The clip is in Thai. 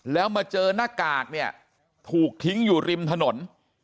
แล้วมาเจอหน้ากากเนี่ยถูกทิ้งอยู่ริมถนน